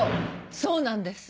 そうなんです。